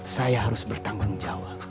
saya harus bertanggung jawab